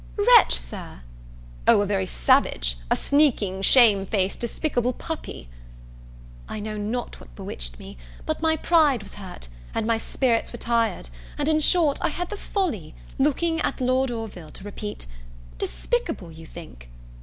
"Wretch, Sir!" "O, a very savage! a sneaking, shame faced, despicable puppy!" I know not what bewitched me but my pride was hurt, and my spirits were tired, and in short, I had the folly, looking at Lord Orville, to repeat, "Despicable, you think?"